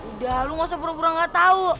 udah lo gak usah pura pura gak tahu